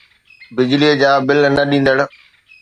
بجليءَ جا بل نه ڏيندڙ